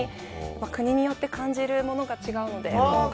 国によって感じるものが違うので、今回